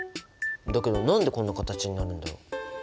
だけど何でこんな形になるんだろう？